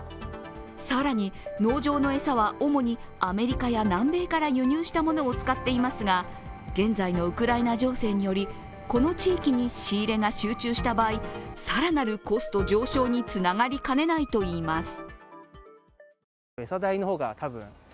更に、農場の餌は主にアメリカや南米から輸入したものを使っていますが、現在のウクライナ情勢によりこの地域に仕入れが集中した場合更なるコスト上昇につながりかねないといいます。